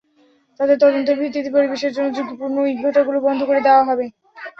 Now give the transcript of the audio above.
তাদের তদন্তের ভিত্তিতে পরিবেশের জন্য ঝুঁকিপূর্ণ ইটভাটাগুলো বন্ধ করে দেওয়া হবে।